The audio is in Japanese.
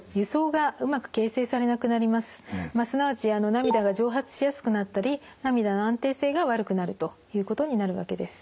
すなわち涙が蒸発しやすくなったり涙の安定性が悪くなるということになるわけです。